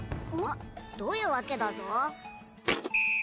んっ？どういうわけだぞ？